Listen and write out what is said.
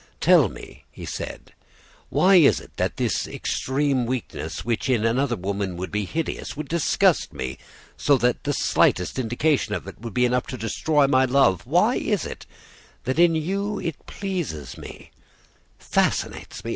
"'Tell me,' he said, 'why it is that this extreme weakness which in another woman would be hideous, would disgust me, so that the slightest indication of it would be enough to destroy my love, why is it that in you it pleases me, fascinates me?